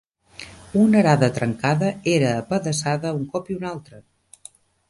Una arada trencada, era apedaçada, un cop i un altre